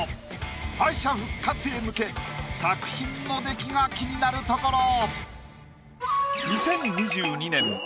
敗者復活へ向け作品の出来が気になるところ。